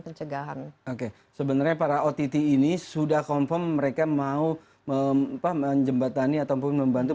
pencegahan oke sebenarnya para ott ini sudah konfirm mereka mau mempahamkan jembat tani ataupun membantu